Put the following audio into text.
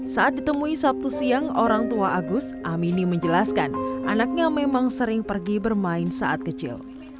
saat ditemui sabtu siang orang tua agus amini menjelaskan anaknya memang sering pergi bermain saat kecil